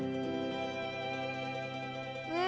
うん！